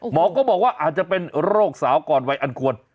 หมอก็บอกว่าอาจจะเป็นโรคสาวก่อนวัยอันควร